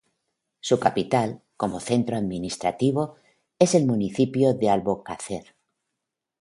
Su capital, como centro administrativo, es el municipio de Albocácer.